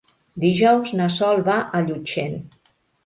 Dijous na Sol va a Llutxent.